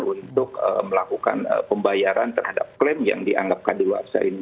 untuk melakukan pembayaran terhadap klaim yang dianggapkan di luar sah ini